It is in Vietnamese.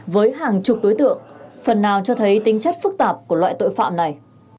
với hàng chục đối tượng phần nào cho thấy tính chất phức tạp của loại tội phạm này